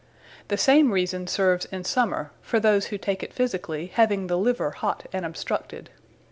The same reason serves in Summer, for those, who take it physically, having the Liver hot and obstructed.